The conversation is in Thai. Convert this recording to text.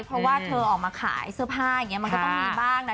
เพราะว่าเธอออกมาขายเสื้อผ้าอย่างนี้มันก็ต้องมีบ้างนะ